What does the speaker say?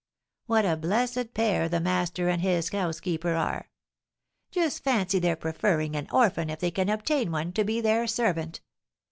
What a blessed pair the master and his housekeeper are! Just fancy their preferring an orphan, if they can obtain one, to be their servant!